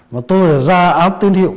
mà tôi đã ra áp tiên hiệu